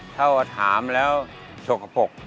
เท่าทามแล้วโชกกระปก